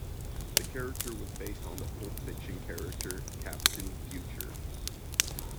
The character was based on the pulp fiction character Captain Future.